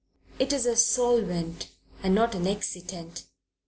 It is a solvent and not an excitant.